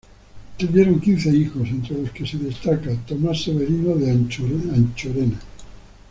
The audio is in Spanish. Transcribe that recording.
Tuvieron quince hijos, entre los que se destaca Tomás Severino de Anchorena.